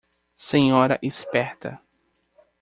Senhora esperta